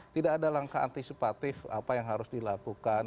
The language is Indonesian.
tidak ada langkah antisipatif apa yang harus dilakukan